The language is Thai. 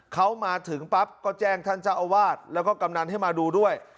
เขามาถึงปั๊บก็แจ้งทรัฐชาวาตรแล้วก็กำนานท์ให้มาดูด้วย